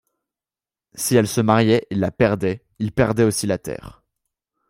Si elle se mariait, il la perdait, il perdait aussi la terre.